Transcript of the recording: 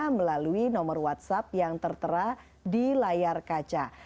melalui nomor whatsapp yang tertera di layar kaca